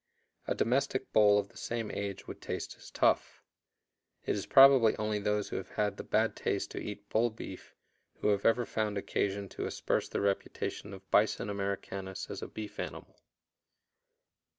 A domestic bull of the same age would taste as tough. It is probably only those who have had the bad taste to eat bull beef who have ever found occasion to asperse the reputation of Bison americanus as a beef animal.